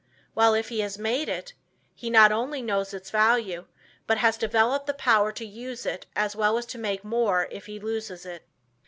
While, if he has made it, he not only knows its value, but has developed the power to use it as well as to make more if he loses it.